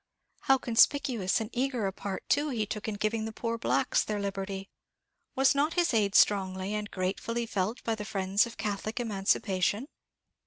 How conspicuous and eager a part too he took in giving the poor Blacks their liberty! was not his aid strongly and gratefully felt by the friends of Catholic emancipation?